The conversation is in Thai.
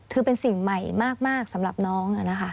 คือเป็นสิ่งใหม่มากสำหรับน้อง